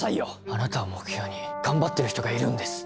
あなたを目標に頑張ってる人がいるんです。